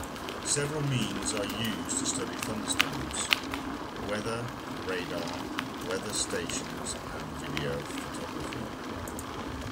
Several means are used to study thunderstorms: weather radar, weather stations, and video photography.